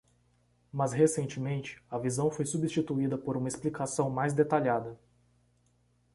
Mas recentemente, a visão foi substituída por uma explicação mais detalhada.